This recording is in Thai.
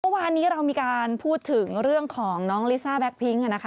เมื่อวานนี้เรามีการพูดถึงเรื่องของน้องลิซ่าแก๊กพิ้งนะคะ